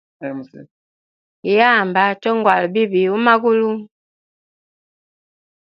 Iyamba chongwala bibi umagulu.